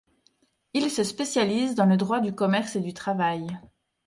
Il se spécialise dans le droit du commerce et du travail.